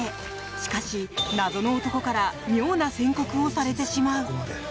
しかし、謎の男から妙な宣告をされてしまう。